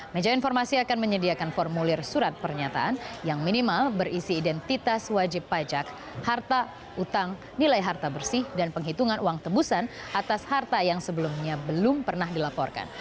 meja informasi akan menyediakan formulir surat pernyataan yang minimal berisi identitas wajib pajak harta utang nilai harta bersih dan penghitungan uang tebusan atas harta yang sebelumnya belum pernah dilaporkan